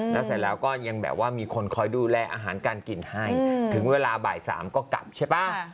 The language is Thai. แล้วเสร็จแล้วก็ยังแบบว่ามีคนคอยดูแลอาหารการกินให้ถึงเวลาบ่ายสามก็กลับใช่ป่ะ